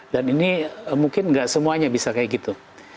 dan ini mungkin gak semuanya bisa kayak gitu